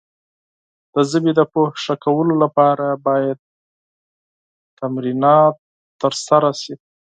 د ژبې د پوهې ښه کولو لپاره باید تمرینات ترسره شي.